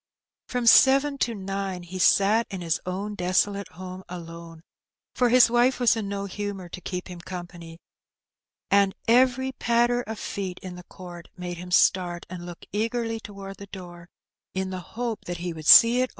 From seven to nine he sat in his own desolate home alone, for his wife was in no humour to keep him company, and every patter of feet in the court made him start and look eagerly towardfl the door, in the hope that he would see it 48 Her Bennt.